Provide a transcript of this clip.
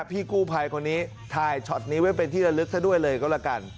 พี่กู้ภัยคนนี้ถ่ายช็อตนี้ไว้เป็นที่ระลึกซะด้วยเลยก็แล้วกัน